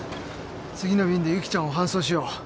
次の便でゆきちゃんを搬送しよう。